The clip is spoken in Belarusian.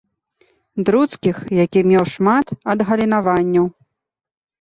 Друцкіх, які меў шмат адгалінаванняў.